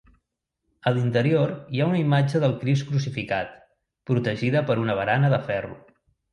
A l'interior hi ha una imatge del Crist Crucificat protegida per una barana de ferro.